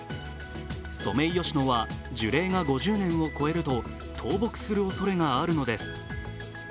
ソメイヨシノは樹齢が５０年を超えると倒木するおそれがあるのです。